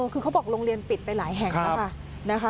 คือเขาบอกโรงเรียนปิดไปหลายแห่งนะคะ